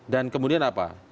dan kemudian apa